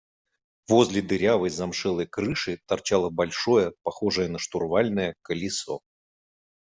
Возле дырявой замшелой крыши торчало большое, похожее на штурвальное, колесо.